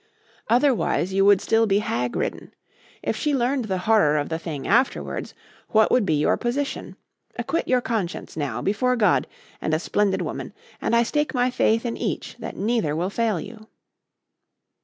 Otherwise you would still be hag ridden. If she learned the horror of the thing afterwards, what would be your position? Acquit your conscience now before God and a splendid woman, and I stake my faith in each that neither will fail you."